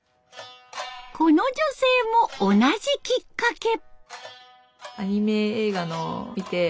この女性も同じきっかけ。